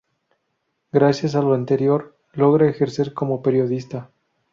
Gracias a lo anterior, logra ejercer como periodista.